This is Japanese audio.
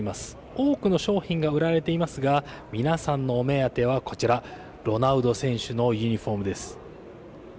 多くの商品が売られていますが、皆さんのお目当てはこちら、ロナウド選手のユニホームです。